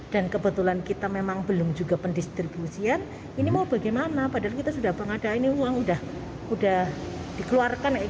dan kebetulan kita memang belum juga pendistribusian ini mau bagaimana padahal kita sudah pengadaan ini uang sudah dikeluarkan